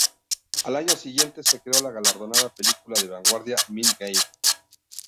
Al año siguiente, se creó la galardonada película de vanguardia Mind Game.